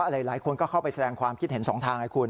หลายคนก็เข้าไปแสดงความคิดเห็นสองทางไงคุณ